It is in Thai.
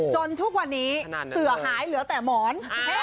ทุกวันนี้เสือหายเหลือแต่หมอน